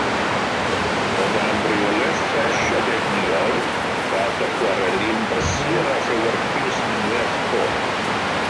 O dan reolaeth ffres ac egnïol, daeth y chwareli'n brysur a llewyrchus unwaith eto.